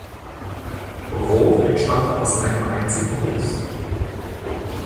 Rohr entstand aus einem einzigen Hof.